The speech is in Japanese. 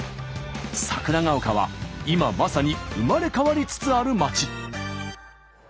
桜丘は今まさに生まれ変わりつつある街。